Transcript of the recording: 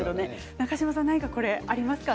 中島さん、何かありますか。